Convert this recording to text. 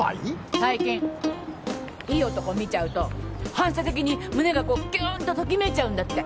最近いい男見ちゃうと反射的に胸がこうキューンとときめいちゃうんだって。